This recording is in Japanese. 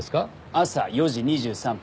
朝４時２３分。